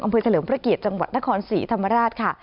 อำเภยเถลมพระเกียจังหวัดนครศรีธรรมราชค่ะ